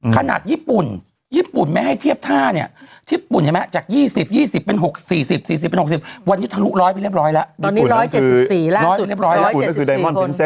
ขนาดญี่ปุ่นญี่ปุ่นแม้ให้เทียบท่าเนี่ยญี่ปุ่นใช่ไหมจาก๒๐๔๐วันนี้ทะลุร้อยไปเรียบร้อยแล้ว